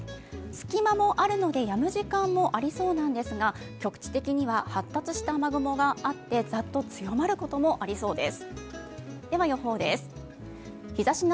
隙間もあるので、やむ時間もありそうなんですが、局地的には発達した雨雲があってザッと強まることもありそうです。